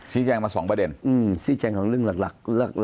ชิ้นแจงมา๒ประเด็นอืมชิ้นแจงของเรื่องหลัก